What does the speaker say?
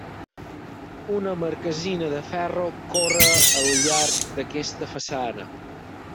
Una marquesina de ferro corre al llarg d'aquesta façana.